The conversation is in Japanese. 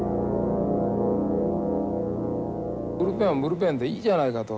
ブルペンはブルペンでいいじゃないかと。